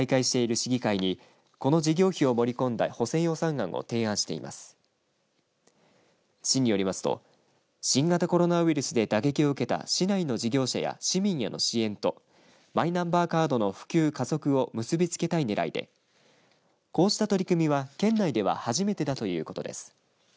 市によりますと新型コロナウイルスで打撃を受けた市内の事業者や市民への支援とマイナンバーカードの普及加速を結びつけたい狙いでこうした取り組みは、県内では初めてだということです。